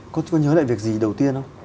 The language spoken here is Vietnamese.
có nhớ lại việc gì đầu tiên không